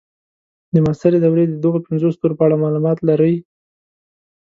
د معاصرې دورې د دغو پنځو ستورو په اړه معلومات لرئ.